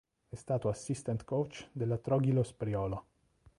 È stato assistant coach della Trogylos Priolo.